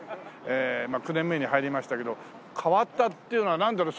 まあ９年目に入りましたけど変わったっていうのはなんだろう。